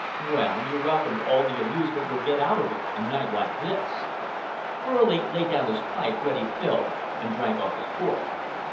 "Well, you're welcome to all the amusement you'll get out of it, a night like this." Furley laid down his pipe, ready filled, and drank off his port.